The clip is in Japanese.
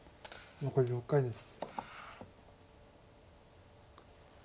残り６回です。